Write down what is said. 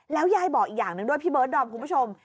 ยายบอกอีกอย่างหนึ่งด้วยพี่เบิร์ดดอมคุณผู้ชม